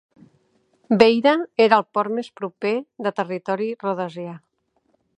Beira era el port més proper de territori rhodesià.